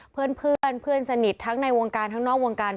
เพื่อนเพื่อนสนิททั้งในวงการทั้งนอกวงการ